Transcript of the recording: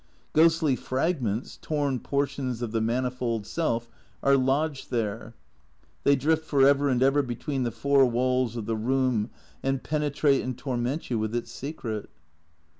Ghostly fragments, torn por tions of the manifold self, are lodged there; they drift for ever and ever between the four walls of the room and penetrate and torment you with its secret.